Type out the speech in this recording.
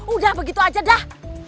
udah begitu aja dah